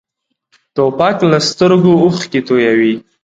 توپک له سترګو اوښکې تویوي.